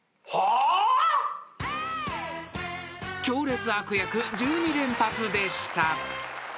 ［強烈悪役１２連発でした］